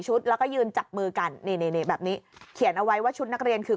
แล้วก็ยืนจับมือกันนี่นี่แบบนี้เขียนเอาไว้ว่าชุดนักเรียนคือ